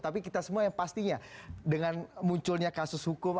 tapi kita semua yang pastinya dengan munculnya kasus hukum